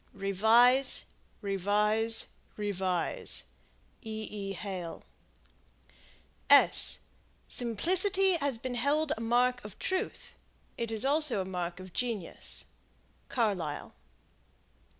Revise. Revise. Revise. E. E. Hale. Simplicity has been held a mark of truth: it is also it mark of genius. Carlyle.